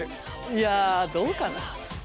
いやどうかな？